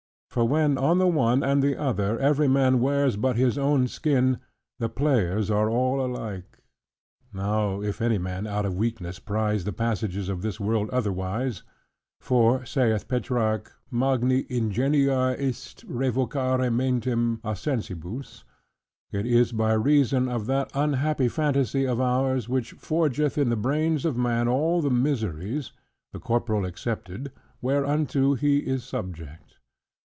For when on the one and the other, every man wears but his own skin, the players are all alike. Now, if any man out of weakness prize the passages of this world otherwise (for saith Petrarch, "Magni ingenii est revocare mentem a sensibus") it is by reason of that unhappy phantasy of ours, which forgeth in the brains of man all the miseries (the corporal excepted) whereunto he is subject.